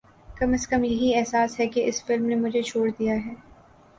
کم از کم یہی احساس ہے کہ اس فلم نے مجھے چھوڑ دیا ہے